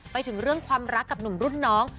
ไปถึงเรื่องความรักกับหนุ่มรุ่นน้อง